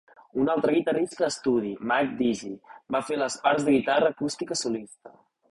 Un altre guitarrista d'estudi, Mike Deasy, va fer les parts de guitarra acústica solista.